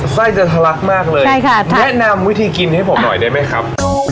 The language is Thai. ไส้จะทะลักมากเลยใช่ค่ะแนะนำวิธีกินให้ผมหน่อยได้ไหมครับ